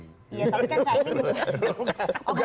iya tapi kan cak imin bukan